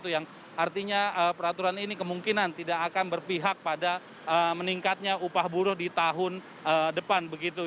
yang artinya peraturan ini kemungkinan tidak akan berpihak pada meningkatnya upah buruh di tahun depan begitu